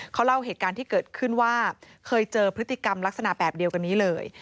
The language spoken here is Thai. เขาเล่าเหตุการณ์ที่เกิดขึ้นว่าเคยเจอพฤติกรรมลักษณะแบบเดียวกันนี้เลย